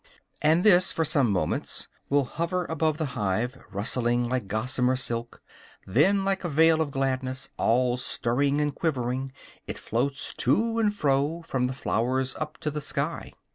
And this for some moments will hover above the hive, rustling like gossamer silk; then, like a veil of gladness, all stirring and quivering, it floats to and fro, from the flowers up to the sky.